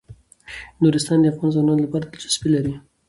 نورستان د افغان ځوانانو لپاره دلچسپي لري.